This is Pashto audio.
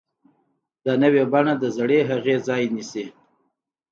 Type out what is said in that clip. دا نوې بڼه د زړې هغې ځای نیسي.